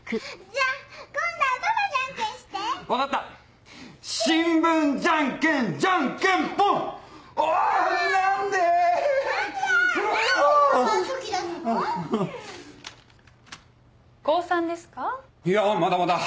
いやまだまだ！